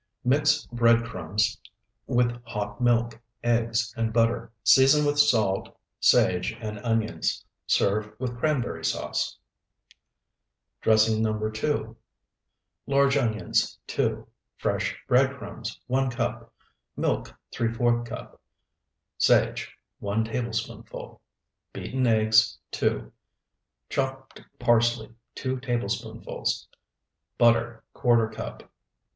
Mix bread crumbs with hot milk, eggs, and butter. Season with salt, sage, and onions. Serve with cranberry sauce. DRESSING NO. 2 Large onions, 2. Fresh bread crumbs, 1 cup. Milk, ¾ cup. Sage, 1 tablespoonful. Beaten eggs, 2. Chopped parsley, 2 tablespoonfuls. Butter, ¼ cup.